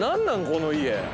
この家。